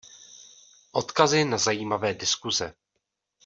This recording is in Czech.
Odkazy na zajímavé diskuze.